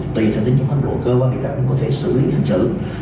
tùy theo tính chất bất đồ cơ quan điều tra cũng có thể xử lý hành xử